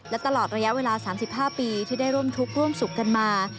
และตลอดระยะเวลา๓๕ปีที่ได้ร่วมทุกข์ร่วมสุขกันมา